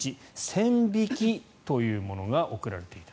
線引きというものが送られていた。